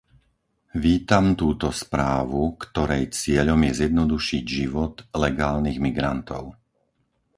Vítam túto správu, ktorej cieľom je zjednodušiť život legálnych migrantov.